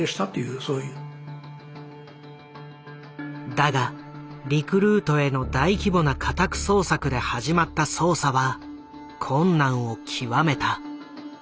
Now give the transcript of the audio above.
だがリクルートへの大規模な家宅捜索で始まった捜査は困難を極めた。